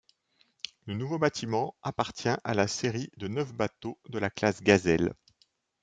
Le nouveau bâtiment appartient à la série de neuf bateaux de la classe Gazelle.